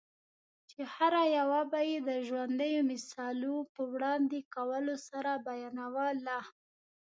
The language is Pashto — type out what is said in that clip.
چي هره یوه به یې د ژوندییو مثالو په وړاندي کولو سره بیانوله؛